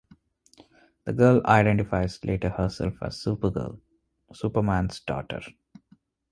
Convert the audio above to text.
The girl identifies later herself as Supergirl, Superman's daughter.